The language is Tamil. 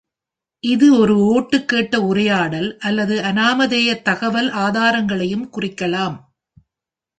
இது ஒரு ஓட்டுக்கேட்ட உரையாடல் அல்லது அநாமதேய தகவல் ஆதாரங்களையும் குறிக்கலாம்.